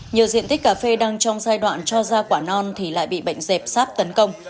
nhiều diện tích cà phê đang trong giai đoạn cho ra quả non thì lại bị bệnh dẹp sáp tấn công